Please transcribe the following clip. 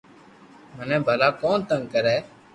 مني ڀلا ڪو تنگ ڪري